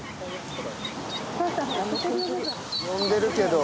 呼んでるけど。